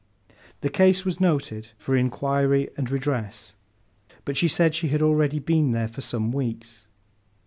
The case was noted for inquiry and redress, but she said she had already been there for some weeks.